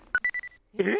えっ？